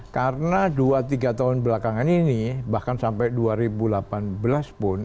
karena dua tiga tahun belakangan ini bahkan sampai dua ribu delapan belas pun